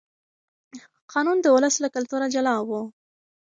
قانون د ولس له کلتوره جلا و.